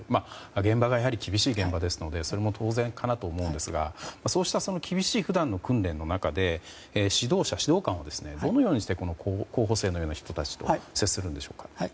現場が厳しい現場ですのでそういうこともあると思いますがそうした厳しい普段の訓練の中で指導者、指導官はどのようにして候補生と接するんでしょうか。